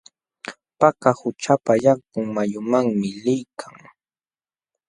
Paka qućhapa yakun mayumanmi liykan.